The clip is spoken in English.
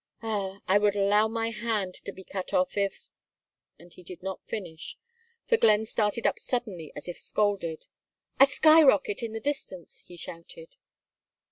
"Ah, I would allow my hand to be cut off, if " And he did not finish, for Glenn started up suddenly as if scalded. "A sky rocket in the distance!" he shouted.